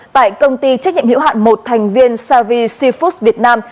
tại công ty trách nhiệm hiệu hạn một thành viên savi sifus việt nam